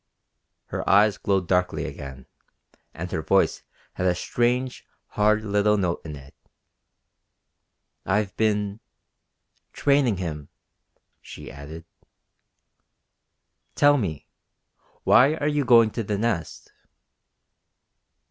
Her eyes glowed darkly again, and her voice had a strange, hard little note in it. "I've been ... training him," she added. "Tell me why are you going to the Nest?"